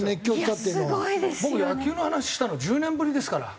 僕野球の話したの１０年ぶりですから。